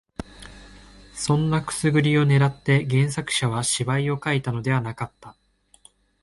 そんなくすぐりを狙って原作者は芝居を書いたのではなかった